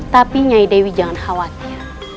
tapi nyai dewi jangan khawatir